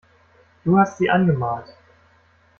Du hast sie angemalt.